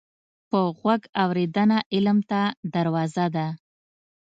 په غوږ اورېدنه علم ته دروازه ده